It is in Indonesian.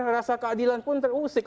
rasa keadilan pun terusik